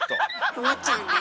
思っちゃうんだ。